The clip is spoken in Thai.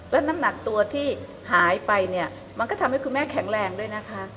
และน้ำหนักตัวที่หายไปเนี่ยมันก็ทำให้คุณแม่แข็งแรงด้วยนะคะ